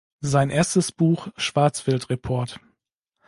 Sein erstes Buch, "Schwarzwild-Report.